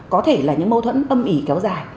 có thể là những mâu thuẫn âm ỉ kéo dài